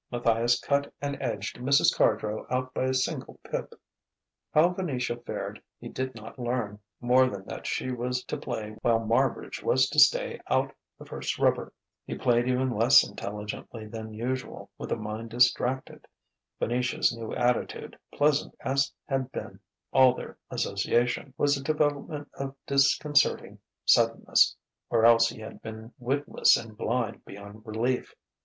Matthias cut and edged Mrs. Cardrow out by a single pip. How Venetia fared he did not learn, more than that she was to play while Marbridge was to stay out the first rubber. He played even less intelligently than usual, with a mind distracted. Venetia's new attitude, pleasant as had been all their association, was a development of disconcerting suddenness; or else he had been witless and blind beyond relief.